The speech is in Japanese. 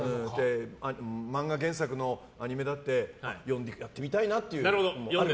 漫画原作のアニメだって読んでやってみたいなっていう。